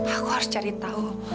aku harus cari tahu